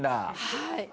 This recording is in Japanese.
はい。